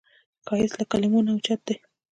ښایست له کلمو نه اوچت دی